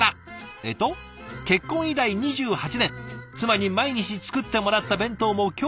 えっと「結婚以来２８年妻に毎日作ってもらった弁当も今日で終わり。